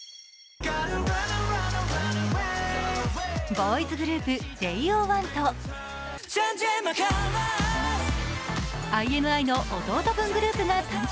ボーイズグループ・ＪＯ１とＩＮＩの弟分グループが誕生。